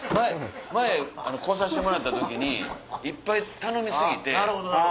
前来させてもらった時にいっぱい頼み過ぎて。